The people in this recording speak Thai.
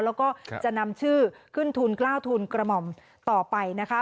แล้วก็จะนำชื่อขึ้นทุนกล้าวทุนกระหม่อมต่อไปนะคะ